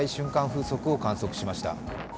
風速を観測しました。